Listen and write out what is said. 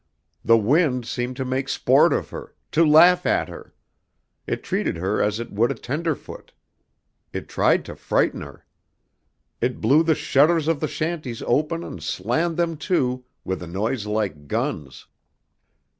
The wind seemed to make sport of her, to laugh at her. It treated her as it would a tenderfoot. It tried to frighten her. It blew the shutters of the shanties open and slammed them to with a noise like guns.